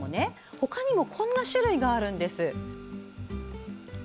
ほかにもこんな種類があるんです。